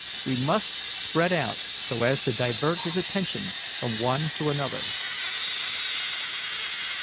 We must spread out so as to divert his attention from one to another."